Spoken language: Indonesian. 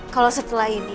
kalau setelah ini